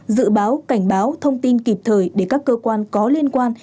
dự báo cảnh báo thông tin kịp thời để các cơ quan có liên quan